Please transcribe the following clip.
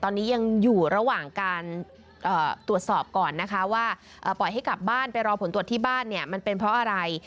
ตอนนี้ยังอยู่ระหว่างการตรวจสอบก่อนนะคะว่าปล่อยให้กลับบ้านไปรอผลตรวจที่บ้านเนี่ยมันเป็นเพราะอะไร